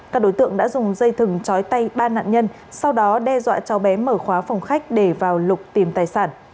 các đối tượng đã dùng dây thừng chói tay ba nạn nhân sau đó đe dọa cháu bé mở khóa phòng khách để vào lục tìm tài sản